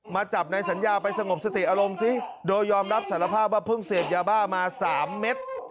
มาจับในสัญญาไปสงบสติอารมณ์ซิโดยยอมรับสารภาพว่าเพิ่งเสพยาบ้ามา๓เม็ด